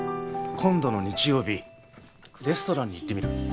今度の日曜日レストランに行ってみる？